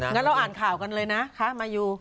งั้นเราอ่านข่าวกันเลยนะคะมายู